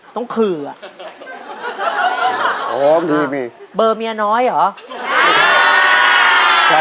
มีมีมีเบอร์เมียน้อยเหรอ